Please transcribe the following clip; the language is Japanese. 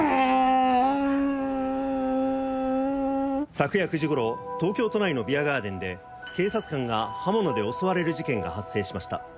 昨夜９時ごろ東京都内のビアガーデンで警察官が刃物で襲われる事件が発生しました。